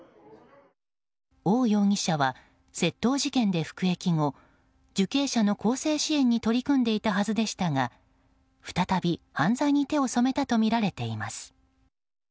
オウ容疑者は窃盗事件で服役後受刑者の更生支援に取り組んでいたはずでしたが再び犯罪に手を染めたとみられています。